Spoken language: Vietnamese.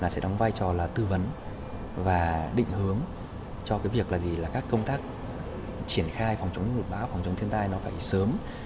sẽ đóng vai trò là tư vấn và định hướng cho việc các công tác triển khai phòng chống ngừa báo phòng chống thiên tai phải sớm